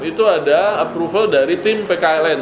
itu ada approval dari tim pkln